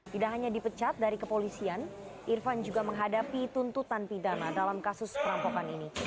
tidak hanya dipecat dari kepolisian irfan juga menghadapi tuntutan pidana dalam kasus perampokan ini